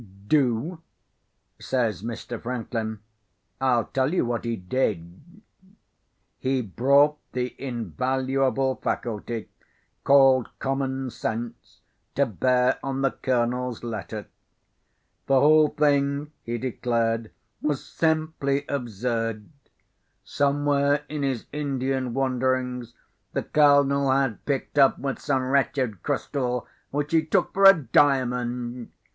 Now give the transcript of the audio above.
"Do?" says Mr. Franklin. "I'll tell you what he did. He brought the invaluable faculty, called common sense, to bear on the Colonel's letter. The whole thing, he declared, was simply absurd. Somewhere in his Indian wanderings, the Colonel had picked up with some wretched crystal which he took for a diamond.